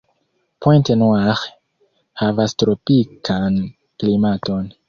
Pointe-Noire havas tropikan klimaton.